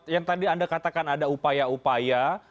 yang tadi anda katakan ada upaya upaya